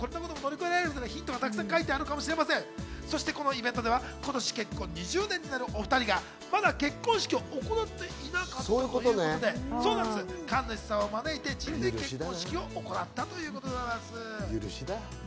そしてイベントでは今年結婚２０年になるお２人が、まだ結婚式を行っていなかったということで神主さんを招いて、神前結婚式を行ったということです。